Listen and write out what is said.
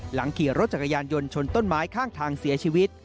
หลังขี่รถจักรยานยนต์ชนต้นไม้ข้างทางเสียชีวิต